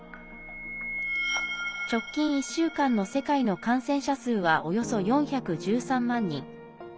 直近１週間の世界の感染者数はおよそ４１３万人。